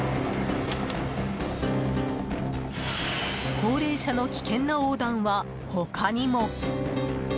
高齢者の危険な横断は、他にも。